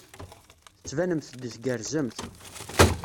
Tettbanemt-d tgerrzemt.